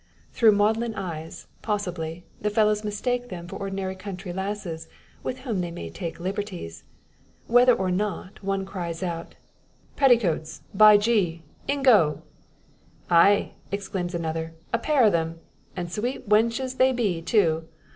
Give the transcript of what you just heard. Through maudlin eyes, possibly, the fellows mistake them for ordinary country lasses, with whom they may take liberties. Whether or not one cries out "Petticoats, by gee ingo!" "Ay!" exclaims another, "a pair o' them. An' sweet wenches they be, too.